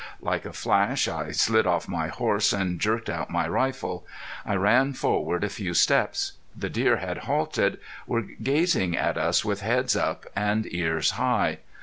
Like a flash I slid off my horse and jerked out my rifle. I ran forward a few steps. The deer had halted were gazing at us with heads up and ears high.